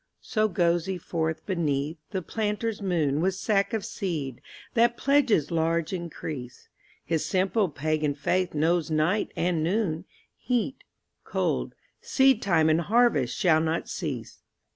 So goes he forth beneath the planter's moon With sack of seed that pledges large increase, His simple pagan faith knows night and noon, Heat, cold, seedtime and harvest shall not cease.